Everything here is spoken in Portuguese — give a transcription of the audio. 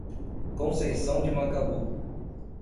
Conceição de Macabu